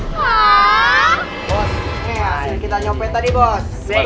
ini air yang kita nyopek tadi bos